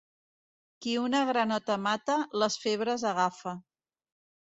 Qui una granota mata, les febres agafa.